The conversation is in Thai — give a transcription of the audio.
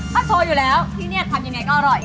ถ้าโชว์อยู่แล้วที่นี่ทำยังไงก็อร่อย